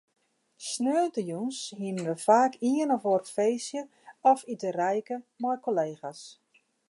Sneontejûns hiene we faak ien of oar feestje of iterijke mei kollega's.